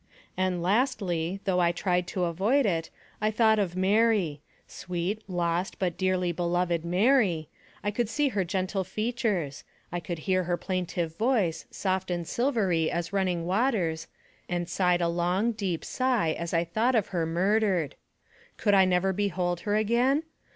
And lastly, though I tried to avoid it, I thought of Mary ; sweet, lost, but dearly beloved Mary ; I could see her gentle features ; I could hear her plaintive voice, soft and silvery as running waters, and sighed a long, deep sigh as I thought of her murdered. Could I never behold her again